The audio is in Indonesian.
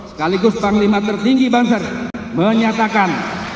sekaligus panglima tertinggi banser menyatakan